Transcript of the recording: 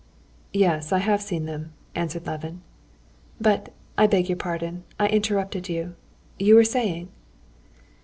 "Yes, I have seen them," answered Levin. "But, I beg your pardon, I interrupted you ... you were saying?..."